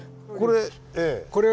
これ。